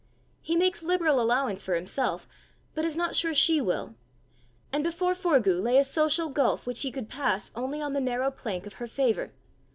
He makes liberal allowance for himself, but is not sure she will! And before Forgue lay a social gulf which he could pass only on the narrow plank of her favour!